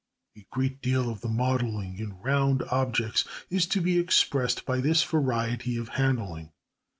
A great deal of the modelling in round objects is to be expressed by this variety of handling.